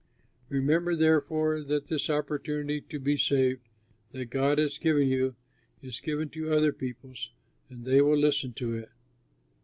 "Remember, therefore, that this opportunity to be saved, that God has given you, is given to other peoples, and they will listen to it."